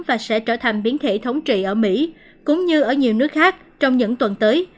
và sẽ trở thành biến thể thống trị ở mỹ cũng như ở nhiều nước khác trong những tuần tới